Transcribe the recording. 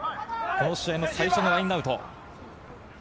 この試合の最初のラインアウト。